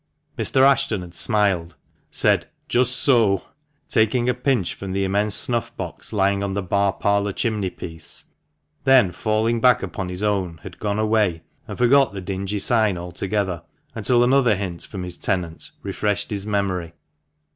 Mr. Ashton had smiled, said "Just so," taking a pinch from the immense snuff box lying on the bar parlour chimney piece, then falling back upon his own, had gone away, and forgot the dingy sign altogether, until another hint from his tenant refreshed his memory.